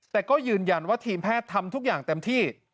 แต่ก็ยืนยันว่าทีมแพทย์ทำทุกอย่างเต็มที่